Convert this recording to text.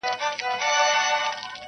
• بخت مي لکه ستوری د یوسف دی ځلېدلی -